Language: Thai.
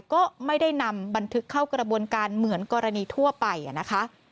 ก็ไม่ได้นำบันทึกเข้ากระบวนการเหมือนกรณีทั่วไปนะคะ